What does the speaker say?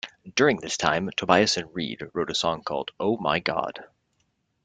During this time Tobias and Reed wrote a song called "Oh My God".